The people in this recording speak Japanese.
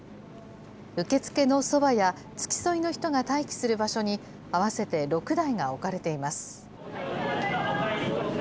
受け付けのそばや付き添いの人が待機する場所に、合わせて６台が置かれています。